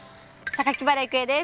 原郁恵です。